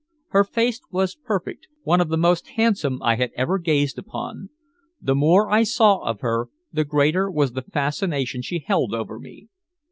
Her face was perfect, one of the most handsome I had ever gazed upon. The more I saw of her the greater was the fascination she held over me.